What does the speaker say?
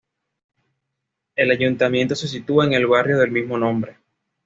El ayuntamiento se sitúa en el barrio del mismo nombre.